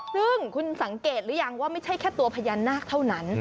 ซึ่งคุณสังเกตหรือยังว่าไม่ใช่แค่ตัวพญานาคเท่านั้น